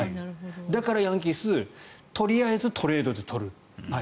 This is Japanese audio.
だから、ヤンキースとりあえずトレードで取る。